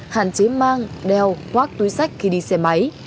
hạn chế mang đeo khoác túi sách khi đi xe máy